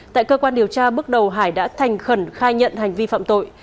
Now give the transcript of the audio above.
tại cơ quan điều tra bước đầu hải đã thành khẩn khai nhận hành vi phạm tội